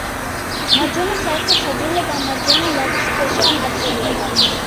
მარჯვენა საერთო საძილე და მარჯვენა ლავიწქვეშა არტერიებად.